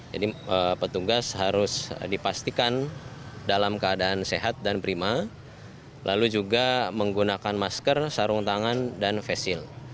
jadi petugas harus dipastikan dalam keadaan sehat dan prima lalu juga menggunakan masker sarung tangan dan vesil